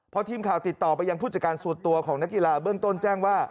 พอทีมข่าวติดต่อไปยังผู้จัดการส่วนตัวของนักกีฬาเบื้องต้นแจ้งว่า